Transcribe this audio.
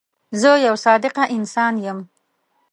زه یو صادقه انسان یم.